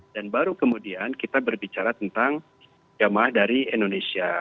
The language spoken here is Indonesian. dan baru kemudian kita berbicara tentang jamah dari indonesia